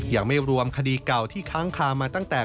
ยังไม่รวมคดีเก่าที่ค้างคามาตั้งแต่